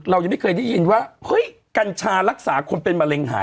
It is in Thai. เรายังไม่เคยได้ยินว่าเฮ้ยกัญชารักษาคนเป็นมะเร็งหาย